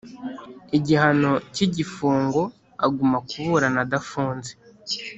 Igihano cy igifungo aguma kuburana adafunze